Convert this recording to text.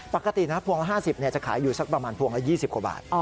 ปกตินะพวงละ๕๐จะขายอยู่สักประมาณพวงละ๒๐กว่าบาท